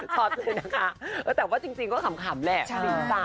ชอบเลยนะคะแต่ว่าจริงก็ขำแหละ